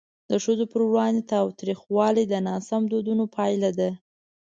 د ښځو پر وړاندې تاوتریخوالی د ناسم دودونو پایله ده.